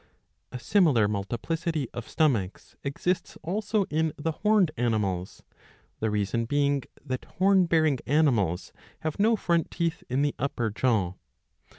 A similar multiplicity of stomachs exists also in 'the horned animals ; the reason being that horrt bearing animals have no front teeth in. the upper jaw.